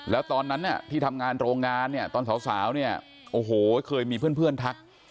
แล้วตอนนั้นที่ทำงานโรงงานเนี่ยตอนสาวเนี่ยโอ้โหเคยมีเพื่อนทัก